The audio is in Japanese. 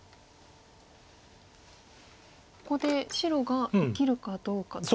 ここで白が生きるかどうかと。